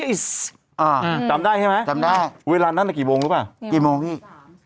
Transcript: จำได้ใช่ไหมจำได้เวลานั้นกี่โมงรู้ป่ะกี่โมงพี่